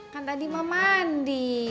kan tadi memandi